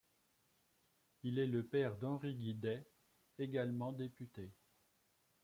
Il est le père d'Henri Guidet, également député.